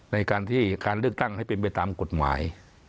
ในการที่การเลือกตั้งให้เป็นไปตามกฎหมาย